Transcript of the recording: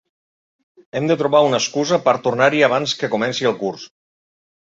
Hem de trobar una excusa per tornar-hi abans que comenci el curs.